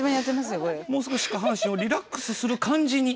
もう少し下半身をリラックスする感じに。